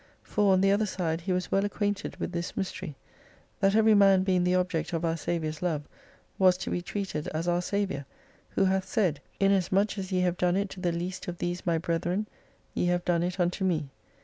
For on the other side he was well acquainted with this mystery— That every man being the object of our Saviour's Love, was to be treated as our Saviour, Who hath said. Inasmuch as ye have done it to the least oj these my brethren, ye have done it unto me.